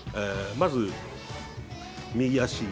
まず右脚。